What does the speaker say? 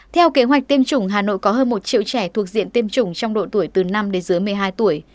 theo kế hoạch tiêm chủng hà nội có hơn một triệu trẻ thuộc diện tiêm chủng trong độ tuổi từ năm đến dưới một mươi hai tuổi